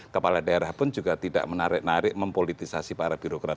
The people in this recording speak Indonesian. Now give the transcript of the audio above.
kepala daerah pun juga tidak menarik narik mempolitisasi para birokrat